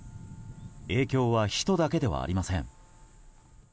影響は、人だけではありません。